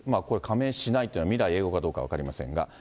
これ、加盟しないというのは、未来永ごうかどうか分かりませんが。